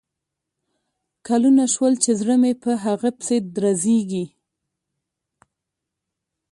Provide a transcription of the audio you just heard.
کلونه شول چې زړه مې په هغه پسې درزیږي